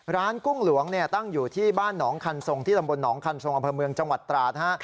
กุ้งหลวงตั้งอยู่ที่บ้านหนองคันทรงที่ตำบลหนองคันทรงอำเภอเมืองจังหวัดตราดฮะ